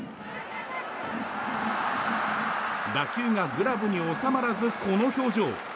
打球がグラブに収まらずこの表情。